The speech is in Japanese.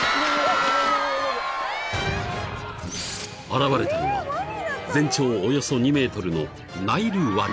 ［現れたのは全長およそ２ｍの］